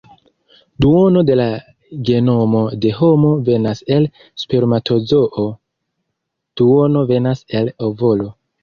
Duono de la genomo de homo venas el spermatozoo, duono venas el ovolo.